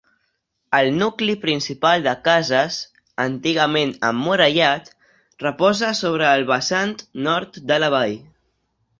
El nucli principal de cases, antigament emmurallat, reposa sobre el vessant nord de la vall.